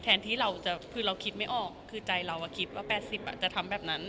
แทนที่เราจะคือเราคิดไม่ออกคือใจเราคิดว่า๘๐จะทำแบบนั้น